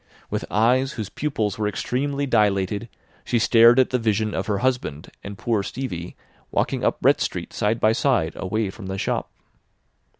With eyes whose pupils were extremely dilated she stared at the vision of her husband and poor Stevie walking up Brett Street side by side away from the shop.